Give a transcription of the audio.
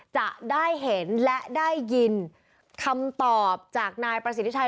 จะได้เห็นและได้ยินคำตอบจากนายประสิทธิชัย